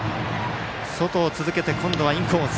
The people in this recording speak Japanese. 外を続けて今度はインコース。